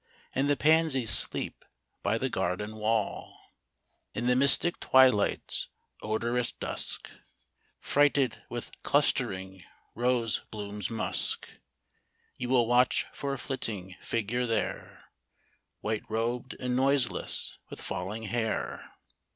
And the pansies sleep by the garden wall, — In the mystic twilight's odorous dusk. Freighted with clustering rose bloom's musk, — You will watch for a flitting figure there, White robed and noiseless, with falling hair.